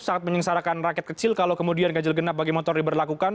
sangat menyengsarakan rakyat kecil kalau kemudian ganjil genap bagi motor diberlakukan